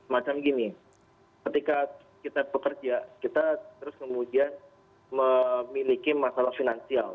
macam gini ketika kita bekerja kita terus kemudian memiliki masalah finansial